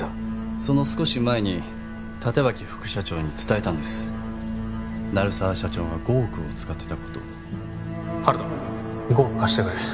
その少し前に立脇副社長に伝えたんです鳴沢社長が５億を使ってたことを温人５億貸してくれ